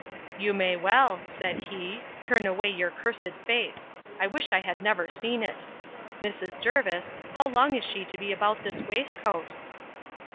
You may well, said he, turn away your cursed face; I wish I had never seen it!—Mrs. Jervis, how long is she to be about this waistcoat?